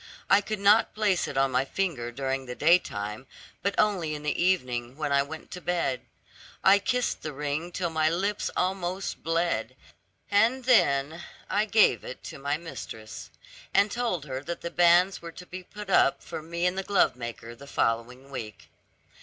I could not place it on my finger during the daytime, but only in the evening, when I went to bed. I kissed the ring till my lips almost bled, and then I gave it to my mistress, and told her that the banns were to be put up for me and the glovemaker the following week.